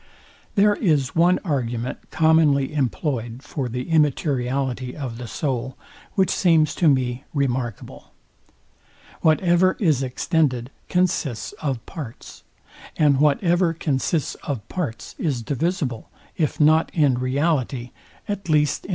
There is one argument commonly employed for the immateriality of the soul, which seems to me remarkable. Whatever is extended consists of parts; and whatever consists of parts is divisible, if not in reality, at least in the imagination.